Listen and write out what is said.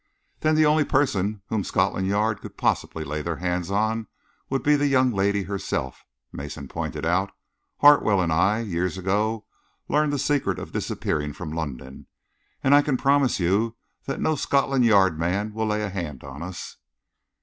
"Then the only person whom Scotland Yard could possibly lay their hands on would be the young lady herself," Mason pointed out. "Hartwell and I years ago learnt the secret of disappearing from London, and I can promise you that no Scotland Yard man will lay a hand on us."